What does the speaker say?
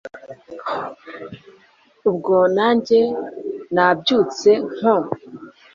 Ubwo nanjye nabyutse nko